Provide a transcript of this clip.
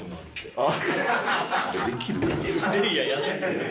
あっ！